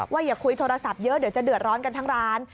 อย่าคุยโทรศัพท์เยอะเดี๋ยวจะเดือดร้อนกันทั้งร้าน